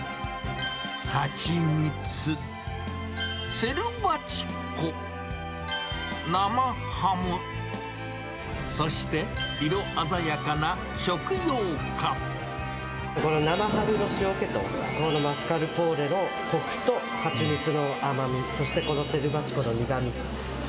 蜂蜜、セルバチコ、生ハム、この生ハムの塩気と、このマスカルポーネのこくと蜂蜜の甘み、そしてこのセルバチコの苦み。